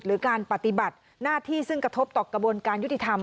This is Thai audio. หรือการปฏิบัติหน้าที่ซึ่งกระทบต่อกระบวนการยุติธรรม